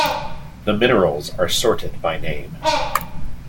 The minerals are sorted by name.